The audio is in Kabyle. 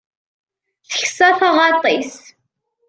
Teksa taɣaṭ-is.